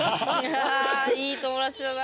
いい友達だな。